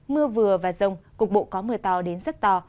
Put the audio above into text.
mưa vừa và rông cục bộ có mưa to đến rất to